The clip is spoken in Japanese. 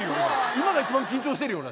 今が一番緊張してるよ。